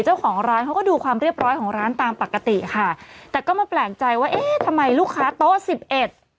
เจ้าของร้านเขาก็ดูความเรียบร้อยของร้านตามปกติค่ะแต่ก็มาแปลกใจว่าเอ๊ะทำไมลูกค้าโต๊ะสิบเอ็ด